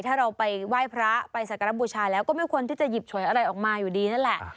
ถ้าเราไปไหว้พระไปสักการบูชาแล้วก็ไม่ควรที่จะหยิบฉวยอะไรออกมาอยู่ดีนั่นแหละ